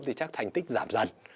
thì chắc thành tích giảm dài